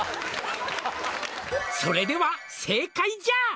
「それでは正解じゃ」